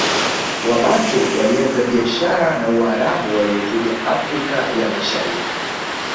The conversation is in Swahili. Wabantu walianza biashara na Waarabu waliokuja Afrika ya Mashariki